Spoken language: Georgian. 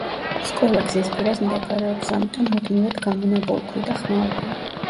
სკოლა გზის პირას მდებარეობს, ამიტომ მუდმივად გამონაბოლქვი და ხმაურია